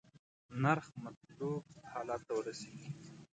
نرخ مطلوب حالت ته ورسیږي.